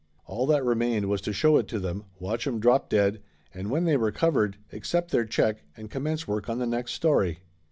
All that remained was to show it to them, watch 'em drop dead, and when they recovered, accept their check and commence work on the next story.